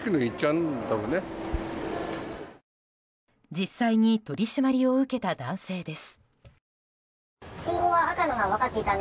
実際に取り締まりを受けた男性です。